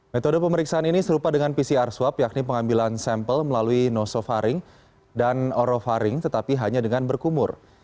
metode pemeriksaan ini serupa dengan pcr swab yakni pengambilan sampel melalui nosofaring dan orovaring tetapi hanya dengan berkumur